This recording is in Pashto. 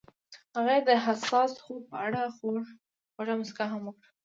هغې د حساس خوب په اړه خوږه موسکا هم وکړه.